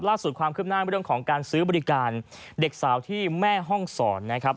ล่าสุดความคืบหน้าเรื่องของการซื้อบริการเด็กสาวที่แม่ห้องศรนะครับ